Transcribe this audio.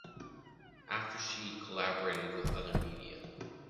After she collaborated with other media.